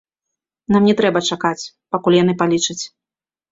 Нам не трэба чакаць, пакуль яны палічаць.